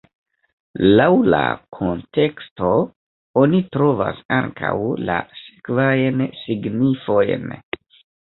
Laŭ la konteksto oni trovas ankaŭ la sekvajn signifojn.